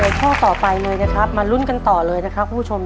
ข้อต่อไปเลยนะครับมาลุ้นกันต่อเลยนะครับคุณผู้ชม